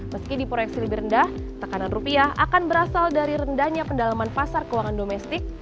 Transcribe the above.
meski diproyeksi lebih rendah tekanan rupiah akan berasal dari rendahnya pendalaman pasar keuangan domestik